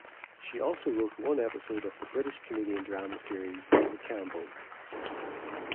She also wrote one episode of the British-Canadian drama series "The Campbells".